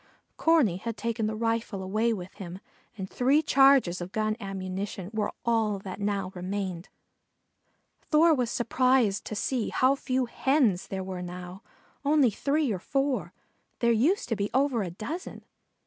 Corney had taken the rifle away with him and three charges of gun ammunition were all that now remained. Thor was surprised to see how few Hens there were now, only three or four. There used to be over a dozen.